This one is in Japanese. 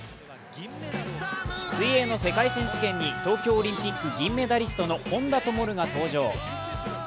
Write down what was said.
水泳の世界選手権に東京オリンピック銀メダリストの本多灯が登場。